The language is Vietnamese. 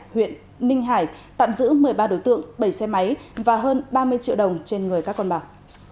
huyện ninh hải tạm giữ một mươi ba đối tượng bảy xe máy và hơn ba mươi triệu đồng trên người các con bạc